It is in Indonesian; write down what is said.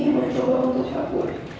mencoba untuk cabut